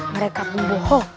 mereka pun bohong